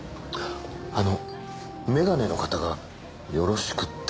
あのメガネの方が「よろしく」って。